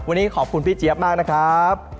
วันนี้ขอบคุณพี่เจี๊ยบมากนะครับ